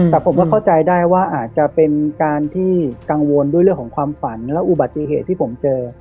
แต่ผมก็เข้าใจได้ว่าอาจจะเป็นการที่กังวลด้วยเรื่องของความฝันและอุบัติเหตุที่ผมเจอ